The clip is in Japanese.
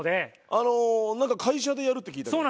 あのなんか会社でやるって聞いたけど。